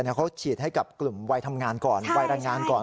เขาฉีดให้กับกลุ่มวัยทำงานก่อนวัยรายงานก่อน